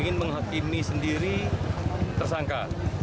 ingin menghakimi sendiri tersangka